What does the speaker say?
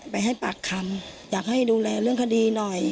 ไปให้ปากคำอยากให้ดูแลเรื่องคดีหน่อย